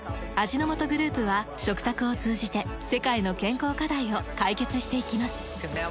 味の素グループは食卓を通じて世界の健康課題を解決していきます。